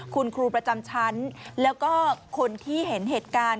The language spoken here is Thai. คุณครูประจำชั้นแล้วก็คนที่เห็นเหตุการณ์